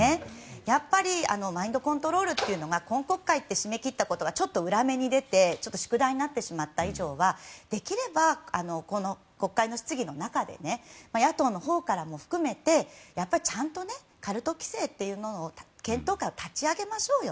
やっぱりマインドコントロールっていうのが今国会って締め切ったことがちょっと裏目に出て宿題になってしまった以上はできれば、この国会の質疑の中で野党のほうからも含めてちゃんとカルト規制というものの検討会を立ち上げましょうよ。